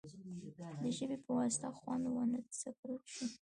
د ژبې په واسطه خوند ونه څکل شي.